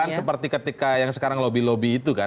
kan seperti ketika yang sekarang lobby lobby itu kan